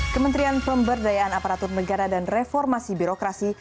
kementerian pemberdayaan aparatur negara dan reformasi birokrasi